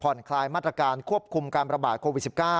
คลายมาตรการควบคุมการประบาดโควิด๑๙